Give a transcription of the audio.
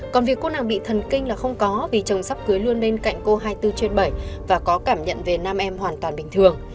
còn việc cô nào bị thần kinh là không có vì chồng sắp cưới luôn bên cạnh cô hai mươi bốn trên bảy và có cảm nhận về nam em hoàn toàn bình thường